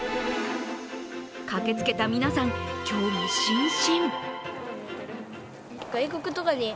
駆けつけた皆さん、興味津々。